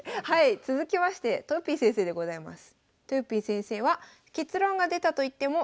続きましてとよぴー先生でございます。